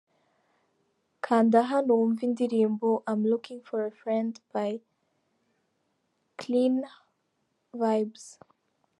Kanda hano wumve indirimbo ‘Am looking for a friend’ ya Clyn Vybz .